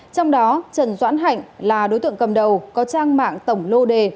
trong đó trần doãn hạnh là đối tượng cầm đầu có trang mạng tổng lô đề